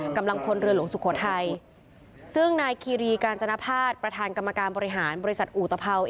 กำลังพลเรือหลวงสุโขทัยซึ่งนายคีรีกาญจนภาษประธานกรรมการบริหารบริษัทอุตภาว